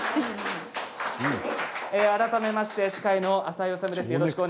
改めまして司会の浅井理です。